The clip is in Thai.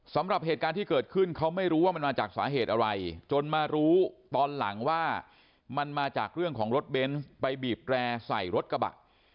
สำหรับเหตุการณ์ที่เกิดขึ้นเขาไม่รู้ว่ามันมาจากสาเหตุอะไรจนมารู้ตอนหลังว่ามันมาจากเรื่องของรถเบนส์ไปบีบแร่ใส่รถกระบะ